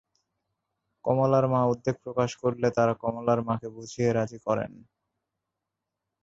কমলার মা উদ্বেগ প্রকাশ করলে তারা কমলার মাকে বুঝিয়ে রাজী করেন।